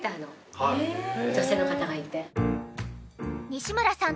西村さん